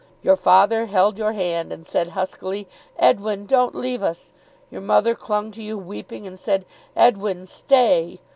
Your father held your hand and said huskily, 'Edwin, don't leave us!' Your mother clung to you weeping, and said, 'Edwin, stay!